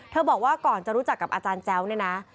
บอกว่าก่อนจะรู้จักกับอาจารย์แจ้วเนี่ยนะ